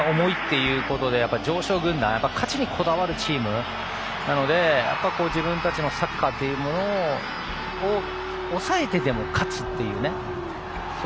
１勝が重いということで常勝軍団、勝ちにこだわるチームなので自分たちのサッカーというものを抑えてでも勝つというね。